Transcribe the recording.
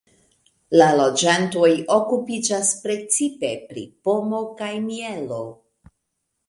La loĝantoj okupiĝas precipe pri pomo kaj mielo.